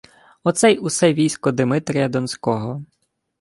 Оце й усе військо Димитрія Донського